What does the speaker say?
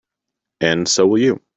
And so will you.